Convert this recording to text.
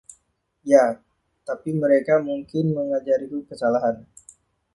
Ya, tapi mereka mungkin mengajariku kesalahan!